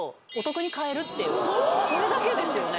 それだけですよね？